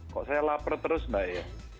kok saya lapar terus mbak ya